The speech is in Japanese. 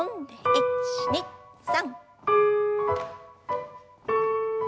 １２３。